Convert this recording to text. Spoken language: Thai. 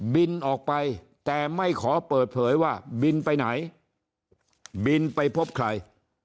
บินออกไปแต่ไม่ขอเปิดเผยว่าบินไปไหนบินไปพบใคร